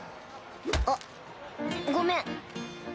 あっごめん。